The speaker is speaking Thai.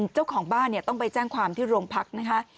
เจ้าของบ้านต้องไปแจ้งความที่โรงพักนะคะ